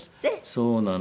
そうなの。